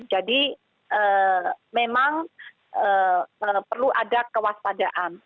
jadi memang perlu ada kewaspadaan